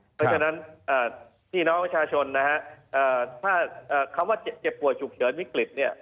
เพราะฉะนั้นพี่น้องประชาชนนะฮะถ้าคำว่าเจ็บป่วยฉุกเฉินวิกฤตเนี่ย